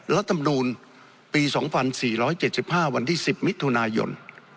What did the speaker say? รัฐมนูลปี๒๔๗๕วันที่๑๐มิถุนายน